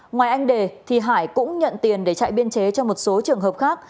ngoài anh đề thì hải cũng nhận tiền để chạy biên chế cho một số trường hợp khác